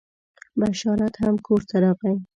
بشارت هم کور ته راغی.